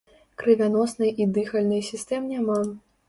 Крывяноснай і дыхальнай сістэм няма.